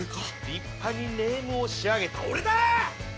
立派にネームを仕上げたおれだ！